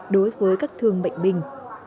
đối với các thương bệnh binh